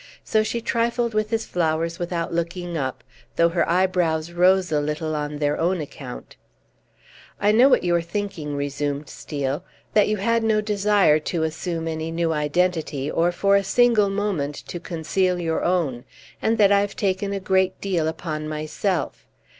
So she trifled with his flowers without looking up, though her eyebrows rose a little on their own account. "I know what you are thinking," resumed Steel; "that you had no desire to assume any new identity, or for a single moment to conceal your own, and that I have taken a great deal upon myself.